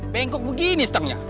pengkok begini setengah